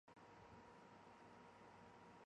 本列表列出了来自国际组织的世界记忆名录。